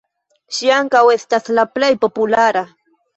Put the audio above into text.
Ŝi ankaŭ estas la plej populara.